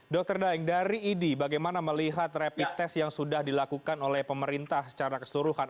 dr daeng dari idi bagaimana melihat rapid test yang sudah dilakukan oleh pemerintah secara keseluruhan